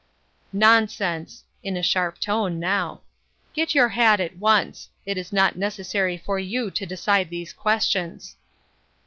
" Nonsense !" in a sharp tone now. " Get your hat at once ; it is not necessary for you to decide these questions."